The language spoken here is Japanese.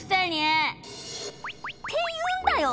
って言うんだよ！